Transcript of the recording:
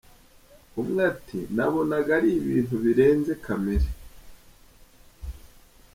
Umwe ati :”Nabonaga ari ibintu birenze kamere.